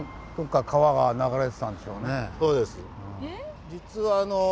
そうです。え？